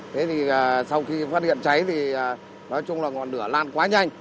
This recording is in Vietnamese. thế thì sau khi phát hiện cháy thì nói chung là ngọn lửa lan quá nhanh